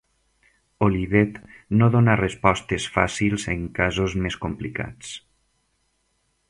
Olivet no dona respostes fàcils en casos més complicats.